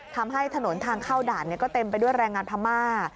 ทำให้ถนนทางเข้าด่านก็เต็มไปด้วยแรงงานพม่า